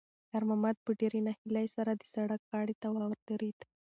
خیر محمد په ډېرې ناهیلۍ سره د سړک غاړې ته ودرېد.